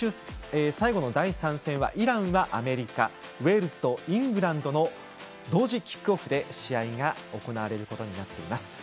最後の第３戦はイランはアメリカウェールズとイングランドの同時キックオフで試合が行われます。